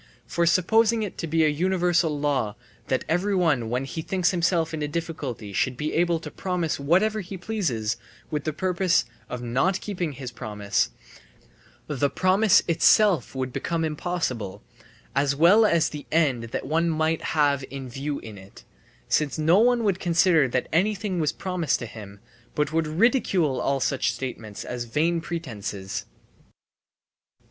For supposing it to be a universal law that everyone when he thinks himself in a difficulty should be able to promise whatever he pleases, with the purpose of not keeping his promise, the promise itself would become impossible, as well as the end that one might have in view in it, since no one would consider that anything was promised to him, but would ridicule all such statements as vain pretences.